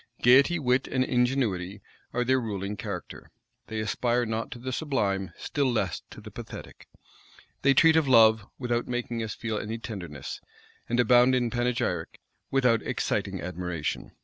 Gayety, wit, and ingenuity are their ruling character: they aspire not to the sublime; still less to the pathetic. They treat of love, without making us feel any tenderness; and abound in panegyric, without exciting admiration.